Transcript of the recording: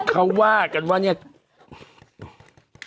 ขออีกทีอ่านอีกที